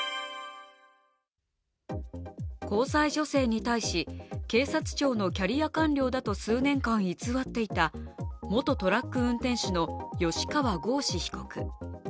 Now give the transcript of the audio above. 交際女性に対し、警察庁のキャリア官僚だと数年間偽っていた、元トラック運転手の吉川剛司被告。